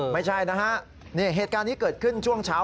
ไม่ใช่นะฮะนี่เหตุการณ์นี้เกิดขึ้นช่วงเช้า